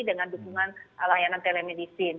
dengan dukungan layanan telemedicine